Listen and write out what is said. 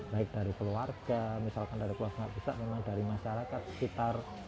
baik dari keluarga misalkan dari keluarga yang tidak bisa memang dari masyarakat sekitar